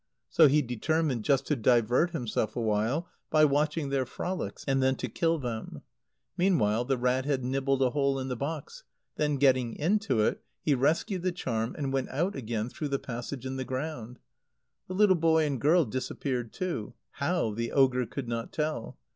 So he determined just to divert himself awhile by watching their frolics, and then to kill them. Meanwhile the rat had nibbled a hole in the box. Then getting into it, he rescued the charm, and went out again through the passage in the ground. The little boy and girl disappeared too; how, the ogre could not tell.